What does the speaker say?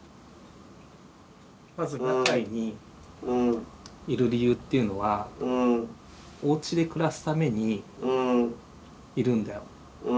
まず中井にいる理由っていうのはおうちで暮らすためにいるんだよ。